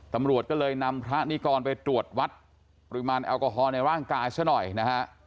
ตำรวจก็เลยนำพระนิกรไปตรวจวัดปริมาณแอลกอฮอล์ในร่างกายซะหน่อยนะฮะ